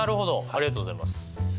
ありがとうございます。